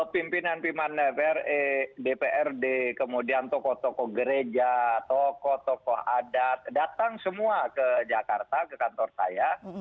pimpinan pimpinan dprd kemudian tokoh tokoh gereja tokoh tokoh adat datang semua ke jakarta ke kantor saya